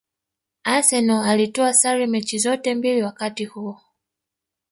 Arsenal alitoa sare mechi zote mbili wakati huo